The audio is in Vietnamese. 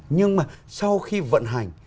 nhưng mà sau khi vận hành